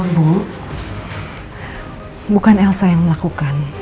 bu bukan elsa yang melakukan